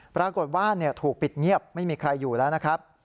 ปรากฏว่าถูกปิดเงียบไม่มีใครอยู่แล้วนะครับ